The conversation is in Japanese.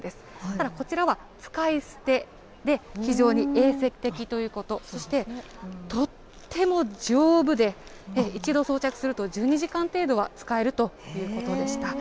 ただこちらは使い捨てで、非常に衛生的ということ、そしてとっても丈夫で、一度装着すると、１２時間程度は使えるということでした。